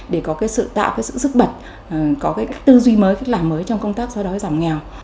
để có cái sự tạo cái sự sức bật có cái tư duy mới cái làm mới trong công tác xóa đói giảm nghèo